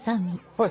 はい。